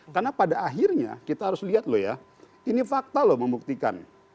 karena pada akhirnya kita harus lihat loh ya ini fakta loh membuktikan